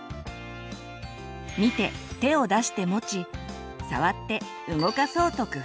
見て手を出して持ち触って動かそうと工夫する。